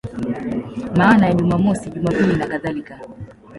Maana ya Jumamosi, Jumapili nakadhalika.